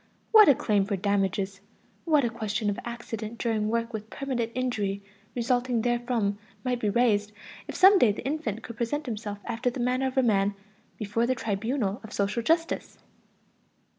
What a claim for damages, what a question of accident during work with permanent injury resulting therefrom might be raised if some day the infant could present himself after the manner of a man before the tribunal of social justice!